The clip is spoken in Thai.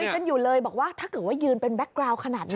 กันอยู่เลยบอกว่าถ้าเกิดว่ายืนเป็นแก๊กกราวขนาดนี้